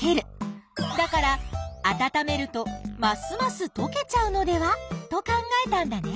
だから温めるとますますとけちゃうのでは？と考えたんだね。